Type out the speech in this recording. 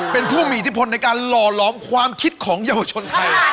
เป็นผู้มีอิทธิพลในการหล่อหลอมความคิดของเยาวชนไทย